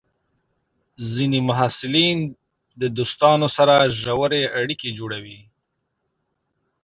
ځینې محصلین د دوستانو سره ژورې اړیکې جوړوي.